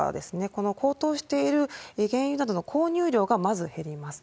この高騰している原油などの購入量がまず減ります。